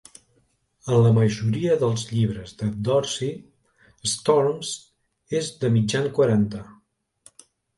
En la majoria dels llibres de Dorsey, Storms es de mitjan quaranta.